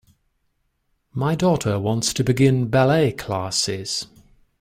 My daughter wants to begin ballet classes.